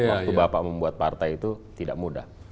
waktu bapak membuat partai itu tidak mudah